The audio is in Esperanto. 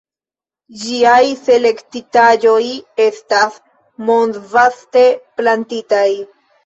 Ĝiaj selektitaĵoj estas mondvaste plantitaj.